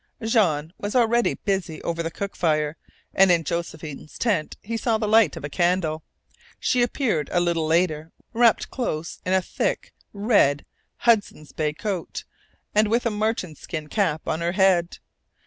Jean was already busy over the cook fire, and in Josephine's tent he saw the light of a candle. She appeared a little later, wrapped close in a thick red Hudson's Bay coat, and with a marten skin cap on her head.